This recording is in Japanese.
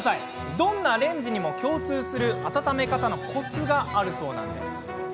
どんなレンジにも共通する温め方のコツがあるそうなんです。